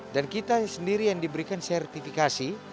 dan kita sendiri yang diberikan sertifikasi